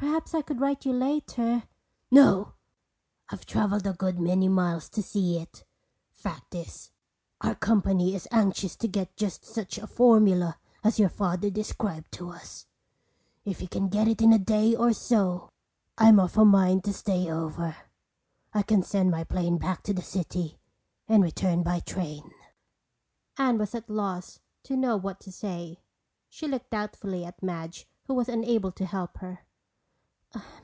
Perhaps I could write you later—" "No, I've traveled a good many miles to see it. Fact is, our company is anxious to get just such a formula as your Father described to us. If you can get it in a day or so I'm of a mind to stay over. I can send my plane back to the city and return by train." Anne was at a loss to know what to say. She looked doubtfully at Madge who was unable to help her.